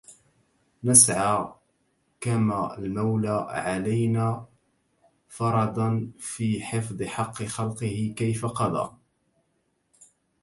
نسعى كما المولى علينا فرضا في حفظ حق خلقه كيف قضى